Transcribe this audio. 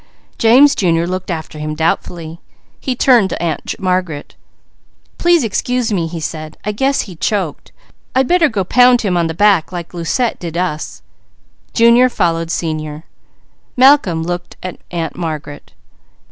James Jr. looked after him doubtfully. He turned to Aunt Margaret. "Please excuse me," he said. "I guess he's choked. I'd better go pound him on the back like Lucette does us." Malcolm looked at Aunt Margaret.